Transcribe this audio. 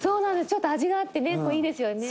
ちょっと味があってねいいですよね」